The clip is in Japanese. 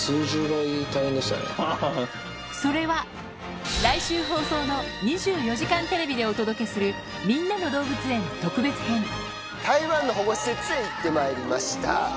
それは、来週放送の２４時間テレビでお届けする、台湾の保護施設に行ってまいりました。